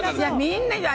みんなが。